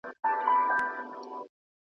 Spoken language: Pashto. بوډا سومه د ژوند له هر پیونده یمه ستړی .